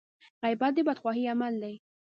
غيبت د بدخواهي عمل دی.